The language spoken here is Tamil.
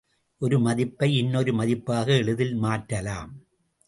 ஒரு மதிப்பை இன்னொரு மதிப்பாக எளிதில் மாற்றலாம்.